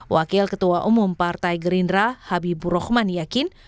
wakil ketua umum partai gerindra habibur rahman yakin